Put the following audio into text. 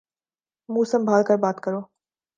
منہ سنمبھال کر بات کرو۔